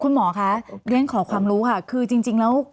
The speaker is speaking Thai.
คุณหมอคะเรียนขอความรู้ค่ะคือจริงแล้ว